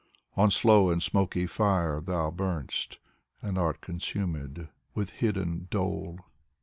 On slow and smoky fire thou burn'st and art consumed, With hidden dole.